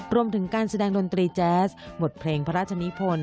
รวมถึงการแสดงดนตรีแจ๊สบทเพลงพระราชนิพล